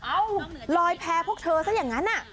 ลอยแพ้พวกเธอซะอย่างนั้น